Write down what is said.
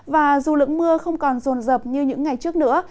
và dù lượng mưa không còn rồn rập như những ngày trước nữa